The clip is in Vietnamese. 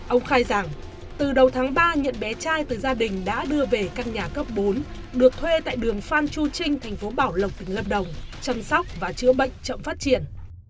ông khai rằng từ đầu tháng ba nhận bé trai từ gia đình đã đưa về căn nhà cấp bốn được thuê tại đường phan chu trinh thành phố bảo lộc tỉnh lâm đồng chăm sóc và chữa bệnh chậm phát triển